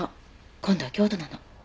今度は京都なの。